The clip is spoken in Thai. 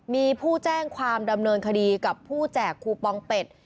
มีผู้แจ้งความดำเนินคดีกับผู้แจกคูปองเป็ด